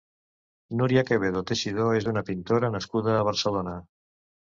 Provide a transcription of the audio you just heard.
Núria Quevedo Teixidó és una pintora nascuda a Barcelona.